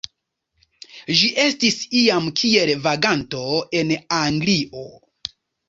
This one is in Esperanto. Ĝi estis iam kiel vaganto en Anglio.